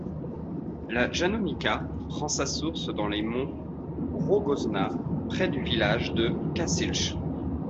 La Jošanica prend sa source dans les monts Rogozna, près du village de Kašalj.